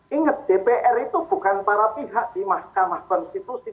ingat dpr itu bukan para pihak di mahkamah konstitusi